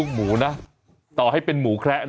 หรือเป็นหมูขนยาว